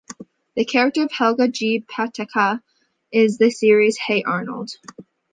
The character of Helga G. Pataki in the series Hey Arnold!